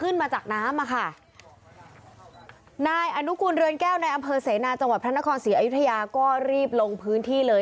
นะจังหวัดพระนครศรีอยุธยาก็รีบลงพื้นที่เลย